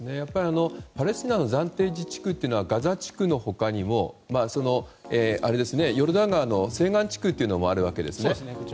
パレスチナの暫定自治区というのはガザ地区の他にもヨルダン川の西岸地区もあるわけですよね。